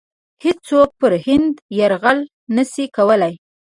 هیڅوک پر هند یرغل نه شي کولای.